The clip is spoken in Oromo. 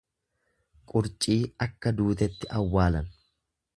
Qurcii akka duutetti awwaalan.